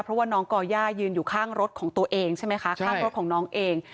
เพราะว่าน้องก่อย่ายืนอยู่ข้างรถของตัวเองใช่ไหมคะข้างรถของน้องเอง